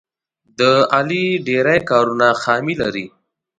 د علي ډېری کارونه خامي لري.